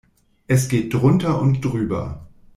Es geht drunter und drüber.